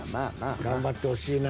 頑張ってほしいな。